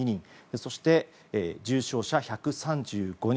そして重症者１３５人。